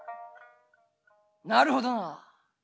「なるほどな。